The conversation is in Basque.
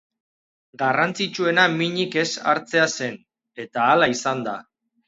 Garrantzitsuena minik ez hartzea zen, eta hala izan da.